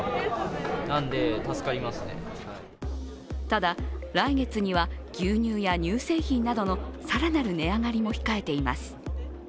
ただ、来月には牛乳や乳製品などの更なる値上げも控えています。